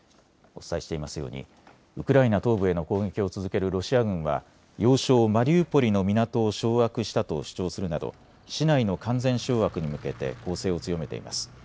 お伝えしていますようにウクライナ東部への攻撃を続けるロシア軍は要衝マリウポリの港を掌握したと主張するなど市内の完全掌握に向けて攻勢を強めています。